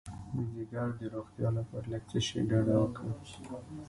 د ځیګر د روغتیا لپاره له څه شي ډډه وکړم؟